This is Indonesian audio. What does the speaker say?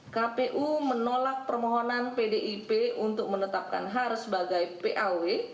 kpu menolak permohonan pdip untuk menetapkan har sebagai paw